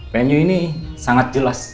penyewa ini sangat jelas